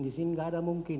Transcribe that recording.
di sini nggak ada mungkin